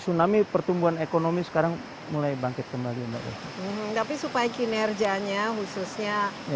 tsunami pertumbuhan ekonomi sekarang mulai bangkit kembali mbak tapi supaya kinerjanya khususnya